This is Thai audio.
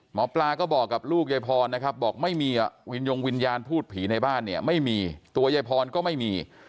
หมอปลาก็บอกกับลูกยายพรนะครับบอกไม่มีวินยงวิญญาณพูดผีในบ้านเนี่ยไม่มีตัวยายพรก็ไม่มี